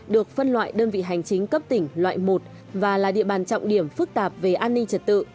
được phân loại đơn vị hành chính cấp tỉnh loại một và là địa bàn trọng điểm phức tạp về an ninh trật tự